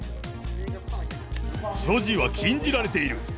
所持は禁じられている。